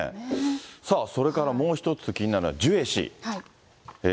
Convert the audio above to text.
さあ、それからもう一つ気になるのがジュエ氏。